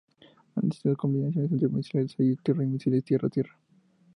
Han existido combinaciones entre misiles aire-tierra y misiles tierra-tierra.